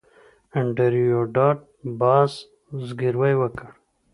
انډریو ډاټ باس زګیروی وکړ